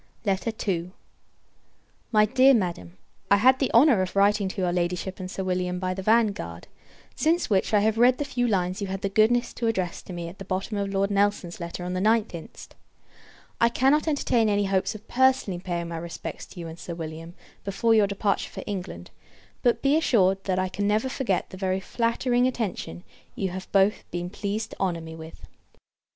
II. My Dear Madam, I had the honour of writing to your Ladyship and Sir William, by the Vanguard; since which, I have read the few lines you had the goodness to address to me at the bottom of Lord Nelson's letter of the 9th inst. I cannot entertain any hopes of personally paying my respects to you and Sir William, before your departure for England; but, be assured, that I can never forget the very flattering attention you have both been pleased to honour me with.